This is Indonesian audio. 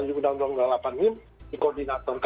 undang undang dua puluh delapan ini dikoordinasi